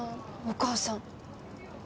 お母さん